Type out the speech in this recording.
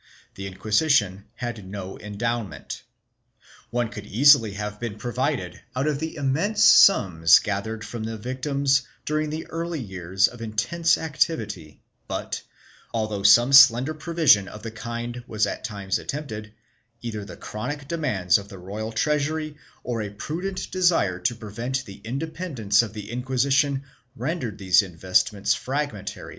The Inquisition had no endowment. One could easily have been provided out of the immense sums gathered from the victims during the early years of intense activity but, although some slender provision of the kind was at times attempted, either the chronic demands of the royal treasury or a prudent desire to prevent the independence of the institution rendered these investments fragmentary and 1 Archive de Simancas, Inquisition, Libro 1 ; Libro 926, fol.